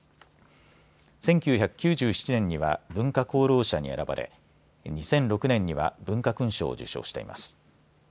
１９９７年には文化功労者に選ばれ２００６年には文化勲章を受章しています。